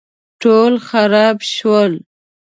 ټول خراب شول